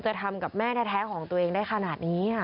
จะทำกับแม่แท้ของตัวเองได้ขนาดนี้